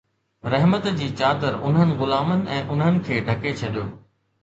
رحمت جي چادر انهن غلامن ۽ انهن کي ڍڪي ڇڏيو